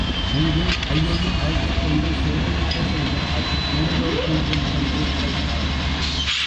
அங்கு ஐயையையும் அழைத்துக்கொண்டு சேரநாடு செல்கிறாள் நெடுவேள் குன்றம் சென்று அடைகிறாள்.